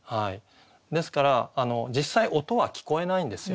ですから実際音は聞こえないんですよ。